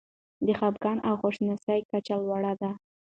د خپګان او خواشینۍ کچه لوړه ده.